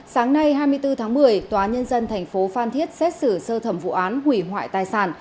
sáng nay hai mươi bốn tháng một mươi tòa nhân dân thành phố phan thiết xét xử sơ thẩm vụ án hủy hoại tài sản